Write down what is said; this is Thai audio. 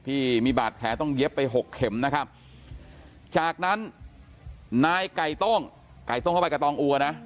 ที่มีบาดแผลต้องเย็บไปหกเข็มนะครับจากนั้นนายไก่ต้งไก่ต้มเข้าไปกระตองอัวนะ